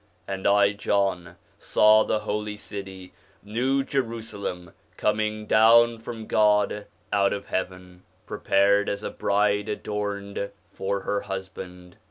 And I John saw the holy city, new Jerusalem, coming down from God out of heaven, prepared as a bride adorned for her husband.